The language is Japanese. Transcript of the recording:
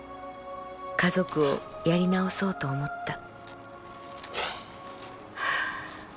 家族をやり直そうと思った」。